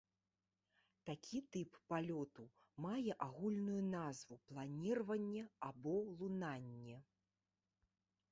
Такі тып палёту мае агульную назву планіраванне або лунанне.